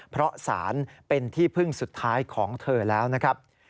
เพราะสารเป็นที่พึ่งสุดท้ายของเธอแล้วนะครับ